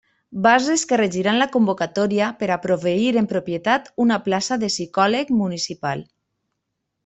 Bases que regiran la convocatòria per a proveir en propietat una plaça de psicòleg municipal.